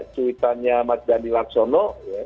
cuitannya mas dhani laksono